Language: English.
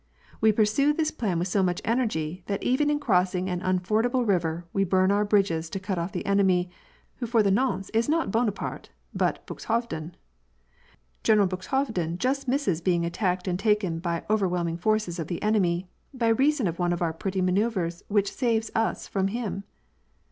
We pursue this plan with so much energy, that even in crossing an unfordabie river we burn our bridges to cut o£f the enemy, who for the nonce is not Bona paile but Buxhovden. General Buxhovden just misses being attacked and taken by overwhelming forces of the enemy by reason of one of our pretty manoeuvres which saves us from him.